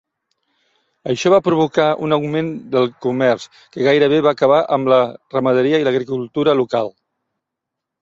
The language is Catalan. Això va provocar un augment del comerç que gairebé va acabar amb la ramaderia i l'agricultura local.